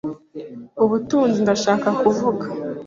ubutunzi, ndashaka kuvuga.